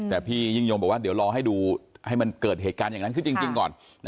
แต่พี่ยิ่งยงบอกว่าเดี๋ยวรอให้ดูให้มันเกิดเหตุการณ์อย่างนั้นขึ้นจริงก่อน